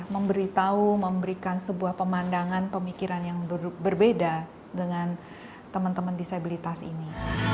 memberitahu memberikan sebuah pemandangan pemikiran yang berbeda dengan teman teman disabilitas ini